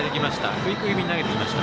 クイック気味に投げてきました。